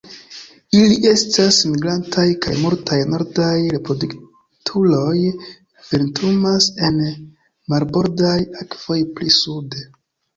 Ili estas migrantaj kaj multaj nordaj reproduktuloj vintrumas en marbordaj akvoj pli sude.